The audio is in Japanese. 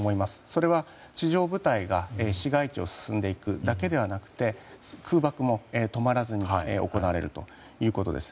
それは地上部隊が市街地を進んでいくだけではなくて空爆も止まらずに行われるということです。